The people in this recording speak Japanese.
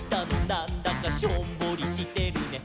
なんだかしょんぼりしてるね」